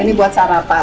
ini buat sarapan gimana